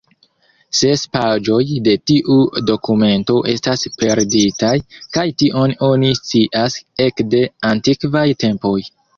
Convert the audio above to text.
Ses paĝoj de tiu dokumento estas perditaj, kaj tion oni scias ekde antikvaj tempoj.